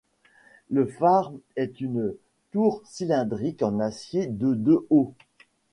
Le phare est une tour cylindrique en acier de de haut.